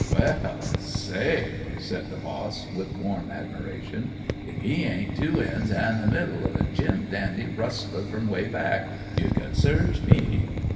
"Well, say," said the boss, with warm admiration, "if he ain't two ends an' the middle of a jim dandy rustler from 'way back, you can search me!